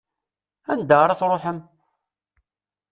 Anda ara tṛuḥem?